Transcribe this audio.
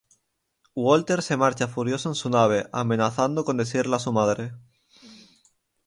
Walter se marcha furioso en su nave, amenazando con decirle a su madre.